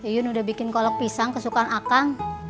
iyun udah bikin kolok pisang kesukaan akang